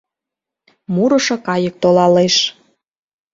Мурышо кайык толалеш